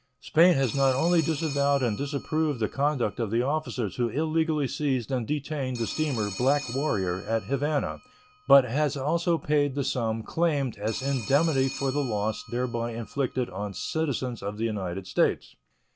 Spain has not only disavowed and disapproved the conduct of the officers who illegally seized and detained the steamer Black Warrior at Havana, but has also paid the sum claimed as indemnity for the loss thereby inflicted on citizens of the United States.